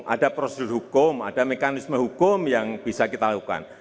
ada prosedur hukum ada mekanisme hukum yang bisa kita lakukan